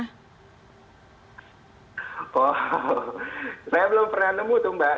oh saya belum pernah nemu tuh mbak